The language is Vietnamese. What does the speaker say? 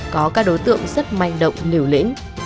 có các đối tượng rất manh động liều lĩnh